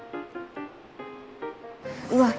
うわっ